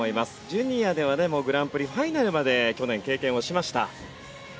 ジュニアではねもうグランプリファイナルまで去年経験をしました。